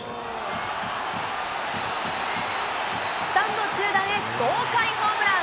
スタンド中段へ豪快ホームラン。